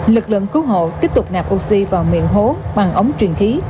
lực lượng cứu hộ tiếp tục nạp oxy vào miệng hố bằng ống truyền khí